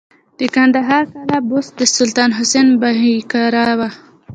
د کندهار قلعه بست د سلطان حسین بایقرا و